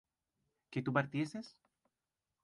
¿que tú partieses?